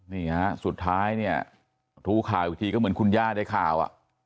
นี่ฮะสุดท้ายทูข่าวอยู่ทีก็เหมือนคุณญาติในข่าว